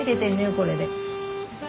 これで。